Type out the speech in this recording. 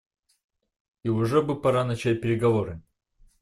И уже бы пора начать переговоры.